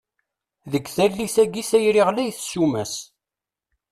Deg tallit-agi, tayri ɣlayet ssuma-s!